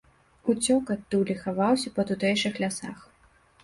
Уцёк адтуль і хаваўся па тутэйшых лясах.